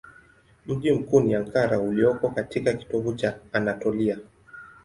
Mji mkuu ni Ankara ulioko katika kitovu cha Anatolia.